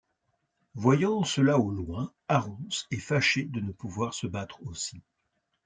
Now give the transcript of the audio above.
Voyant cela au loin, Aronce est fâché de ne pouvoir se battre aussi.